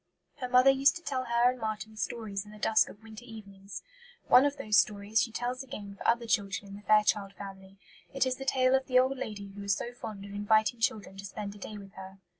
Her mother used to tell her and Marten stories in the dusk of winter evenings; one of those stories she tells again for other children in the Fairchild Family. It is the tale of the old lady who was so fond of inviting children to spend a day with her.